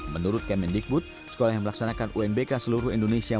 menurut kemendikbud sekolah yang melaksanakan unbk seluruh indonesia